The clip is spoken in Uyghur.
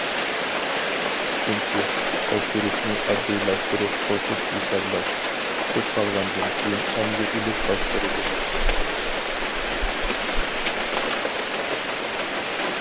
ئۈچىنچى، تەكشۈرۈشنى ئاددىيلاشتۇرۇپ قوشۇپ ھېسابلاش، تۇتۇپ قالغاندىن كېيىن ئەنگە ئېلىپ باشقۇرىدۇ.